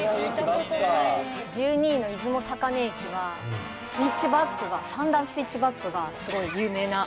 １２位の出雲坂根駅はスイッチバックが３段スイッチバックがすごい有名な。